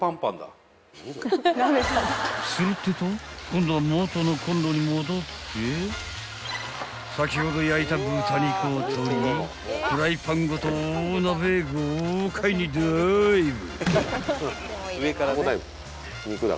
［するってえと今度は元のこんろに戻って先ほど焼いた豚肉を取りフライパンごと大鍋へ豪快にダイブ］